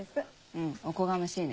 うんおこがましいね。